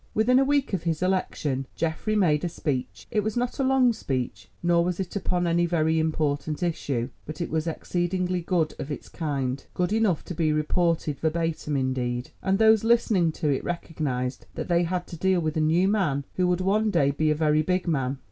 Within a week of his election Geoffrey made a speech. It was not a long speech, nor was it upon any very important issue; but it was exceedingly good of its kind, good enough to be reported verbatim indeed, and those listening to it recognised that they had to deal with a new man who would one day be a very big man.